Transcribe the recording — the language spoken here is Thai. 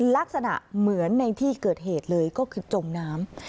ลักษณะเหมือนในที่เกิดเหตุเลยก็คือจมน้ำ